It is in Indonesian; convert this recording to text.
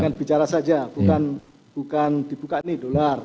bukan bicara saja bukan dibuka nih dolar